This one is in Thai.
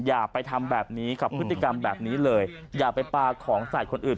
อย่าไปทำแบบนี้กับพฤติกรรมแบบนี้เลยอย่าไปปลาของใส่คนอื่น